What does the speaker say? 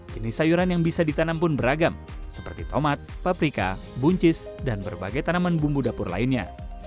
jenis sayuran yang bisa ditanam pun beragam seperti tomat paprika buncis dan berbagai tanaman bumbu dapur lainnya